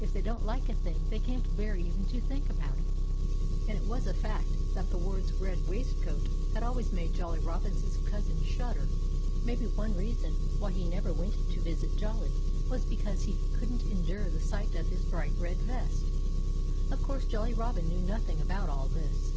If they don't like a thing, they can't bear even to think about it. And it was a fact that the words "red waistcoat" had always made Jolly Robin's cousin shudder. Maybe one reason why he never went to visit Jolly was because he couldn't endure the sight of his bright red vest. Of course, Jolly Robin knew nothing about all this.